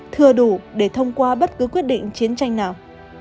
thừa đủ để thông qua bất cứ quyết định chiến tranh nào